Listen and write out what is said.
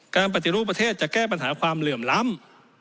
การปฏิรูปประเทศจะแก้ปัญหาความเหลื่อมล้ำ